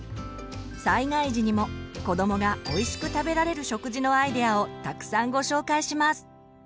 災害時にも子どもがおいしく食べられる食事のアイデアをたくさんご紹介します。